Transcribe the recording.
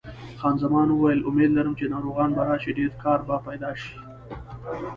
خان زمان وویل: امید لرم چې ناروغان به راشي، ډېر کار به پیدا شي.